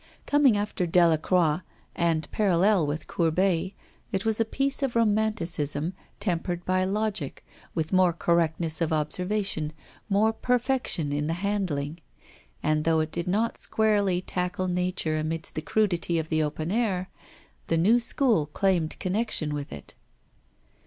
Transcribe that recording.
Coming after Delacroix, and parallel with Courbet, it was a piece of romanticism tempered by logic, with more correctness of observation, more perfection in the handling. And though it did not squarely tackle nature amidst the crudity of the open air, the new school claimed connection with it.